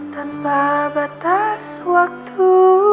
tanpa batas waktu